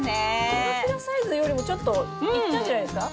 手のひらサイズよりもちょっといったんじゃないですか？